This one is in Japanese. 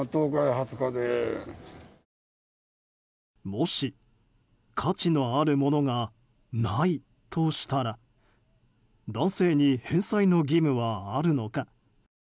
もし、価値のあるものがないとしたら男性に返済の義務はあるのか。